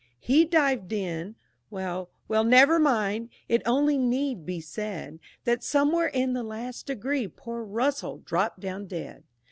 He dived in well, well, never mind! It only need be said That somewhere in the last degree poor Russell dropped down dead.